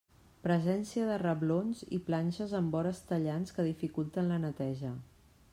Presència de reblons i planxes amb vores tallants que dificulten la neteja.